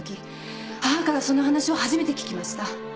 母からその話を初めて聞きました。